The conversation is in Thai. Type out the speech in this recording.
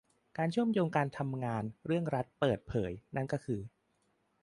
การเชื่อมโยงการทำงานเรื่องรัฐเปิดเผยนั่นก็คือ